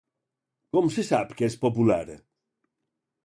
Com se sap que és popular?